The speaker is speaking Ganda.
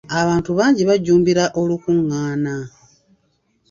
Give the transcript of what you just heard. Abantu bangi bajjumbira olukungaana.